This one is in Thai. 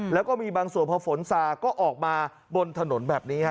แล้วก็มีบางส่วนพอฝนซาก็ออกมาบนถนนแบบนี้ฮะ